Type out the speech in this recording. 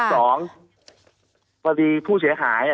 ๒พอสิผู้เสียหาย